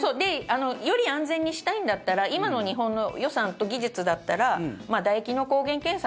より安全にしたいんだったら今の日本の予算と技術だったらだ液の抗原検査